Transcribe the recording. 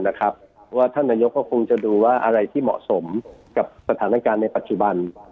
เพราะว่าท่านนายกก็คงจะดูว่าอะไรที่เหมาะสมกับสถานการณ์ในปัจจุบัน